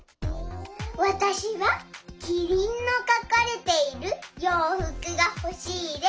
わたしはキリンのかかれているようふくがほしいです。